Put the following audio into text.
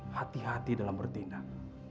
hati hati dalam bertindak